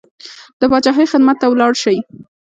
د پاچاهۍ خدمت ته ولاړ شي.